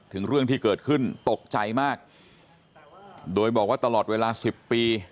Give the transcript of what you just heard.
ถึงเรื่องที่เกิดขึ้นตกใจมากโดยบอกว่าตลอดเวลาสิบปี